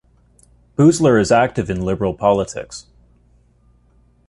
Boosler is active in liberal politics.